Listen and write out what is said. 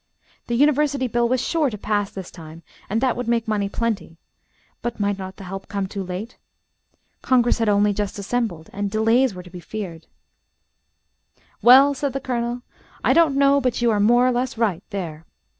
The University bill was sure to pass this time, and that would make money plenty, but might not the help come too late? Congress had only just assembled, and delays were to be feared. "Well," said the Colonel, "I don't know but you are more or less right, there.